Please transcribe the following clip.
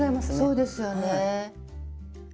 そうですよね。